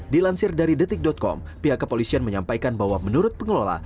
dilansir dari detik com pihak kepolisian menyampaikan bahwa menurut pengelola